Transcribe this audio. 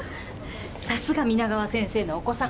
さすが皆川先生のお子さん。